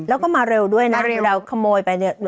แล้วก็มาเร็วด้วยนะเร็วขโมยไปเนี่ย